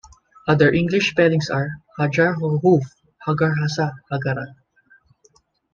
Other English spellings are "hajar hofuf, hagar hasa' hagara".